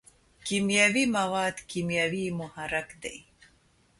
کیمیاوي مواد کیمیاوي محرک دی.